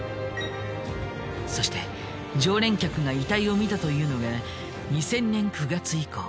そして常連客が遺体を見たというのが２０００年９月以降。